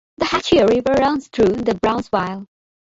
The Hatchie River runs through Brownsville.